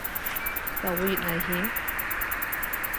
就會越危險